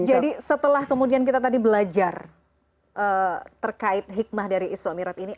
jadi setelah kemudian kita tadi belajar terkait hikmah dari isroq mi'rat ini